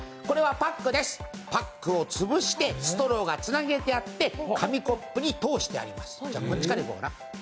パックを潰してストローがつなげてあって紙コップに通してあります。